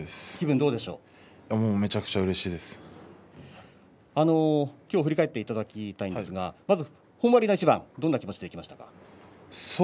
もうめちゃくちゃきょう振り返っていただきたいんですが本割の一番どんな気持ちでいきましたか。